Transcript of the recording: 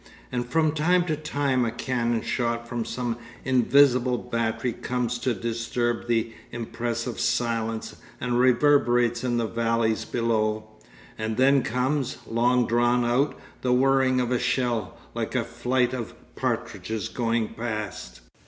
And from time to time a cannon shot from some invisible battery comes to disturb the impressive silence and reverberates in the valleys below; and then comes, long drawn out, the whirring of a shell, like a flight of partridges going past.